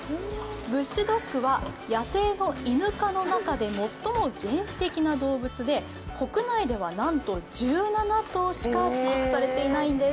ブッシュドッグは野生のイヌ科の中でも最も原始的な動物で国内では、なんと１７頭しか飼育されていないんです。